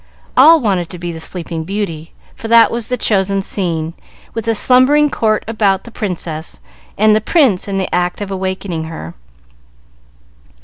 All wanted to be the "Sleeping Beauty," for that was the chosen scene, with the slumbering court about the princess, and the prince in the act of awakening her.